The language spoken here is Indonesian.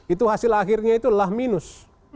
itu hasil akhirnya itu adalah minus